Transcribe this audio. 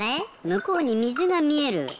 むこうにみずがみえる。